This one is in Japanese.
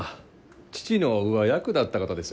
父の上役だった方です。